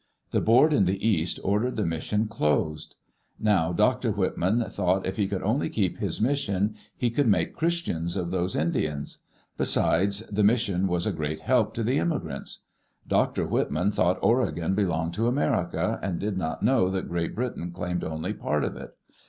The Board in the east ordered the mission closed. Now Dr. Whitman thought if he could only keep his mission, he could make Christians of those Indians. Besides, the mission was a great help to the immigrants. Dr. Whitman thought Oregon be longed to America, and did not know that Great Britain claimed only part of it.